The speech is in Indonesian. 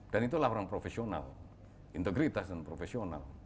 dan itulah orang profesional integritas dan profesional